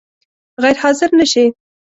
غیر حاضر نه شې؟